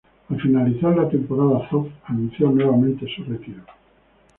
Al finalizar la temporada Zof anunció nuevamente su retiro.